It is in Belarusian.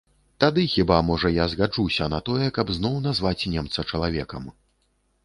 Тады хіба можа я згаджуся на тое, каб зноў назваць немца чалавекам.